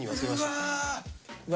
うわ！